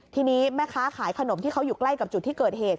ทีนี้แม่ค้าขายขนมที่เขาอยู่ใกล้กับจุดที่เกิดเหตุ